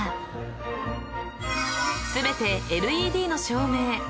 ［全てＬＥＤの照明］